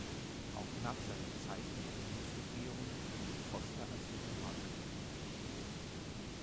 Auch nach seiner Zeit in der Bundesregierung blieb Foster als Diplomat aktiv.